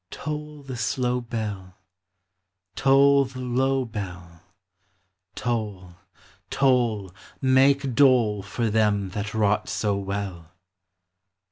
Toll the slow bell, Toll the low bell, Toll, toll, Make dole For them that wrought so well.